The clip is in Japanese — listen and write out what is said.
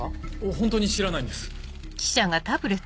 本当に知らないんです。